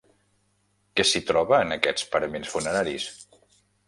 Què s'hi troba en aquests paraments funeraris?